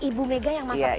ibu mega yang masak sendiri